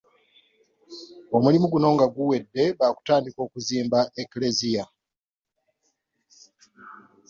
Omulimu guno nga guwedde baakutandika okuzimba Eklezia.